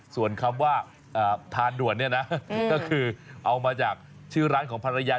ส่วนคำว่าทานด่วนเนี่ยนะก็คือเอามาจากชื่อร้านของภรรยา